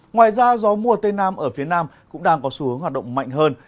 ngoài ra gió mùa tây nam ở phía nam cũng đang có xu hướng hoạt động mạnh hơn